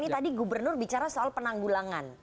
ini tadi gubernur bicara soal penanggulangan